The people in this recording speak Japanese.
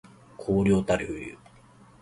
荒涼たる冬